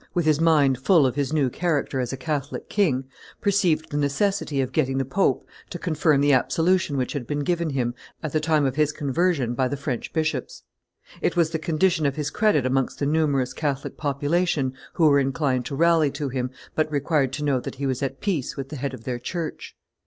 with his mind full of his new character as a Catholic king, perceived the necessity of getting the pope to confirm the absolution which had been given him, at the time of his conversion, by the French bishops. It was the condition of his credit amongst the numerous Catholic population who were inclined to rally to him, but required to know that he was at peace with the head of their church.